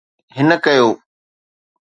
هن ڪيو.